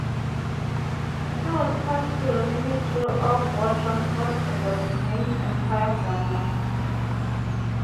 She was passed to the Ministry of War Transport and was renamed "Empire Garner".